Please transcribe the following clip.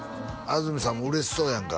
安住さんも嬉しそうやんか